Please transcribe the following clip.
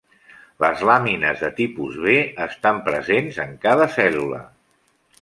Les làmines de tipus B estan presents en cada cèl·lula.